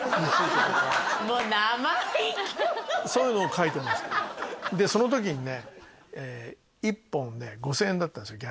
そういうのを書いてましたでその時にね１本ね５０００円だったんですよ